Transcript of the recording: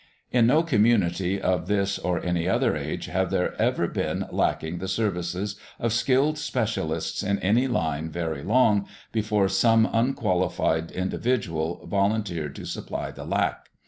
In no community of this or any other age have there ever been lacking the services of skilled specialists in any line very long, before some unqualified individual volunteered to supply the lack.